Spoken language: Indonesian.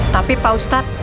tapi pak ustadz